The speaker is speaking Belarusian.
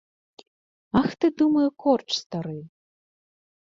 Ах ты, думаю, корч стары!